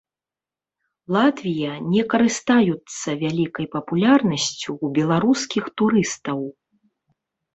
Латвія не карыстаюцца вялікай папулярнасцю ў беларускіх турыстаў.